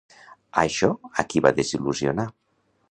Això a qui va desil·lusionar?